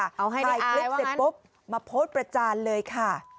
ถ่ายคลิปเสร็จปุ๊บมาโพสต์ประจานเลยค่ะ